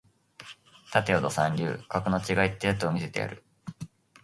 立てよド三流格の違いってやつを見せてやる